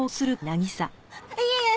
いえいえ！